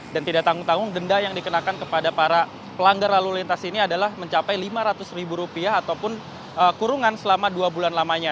dan tidak tanggung tanggung denda yang dikenakan kepada para pelanggar lalu lintas ini adalah mencapai lima ratus rupiah ataupun kurungan selama dua bulan lamanya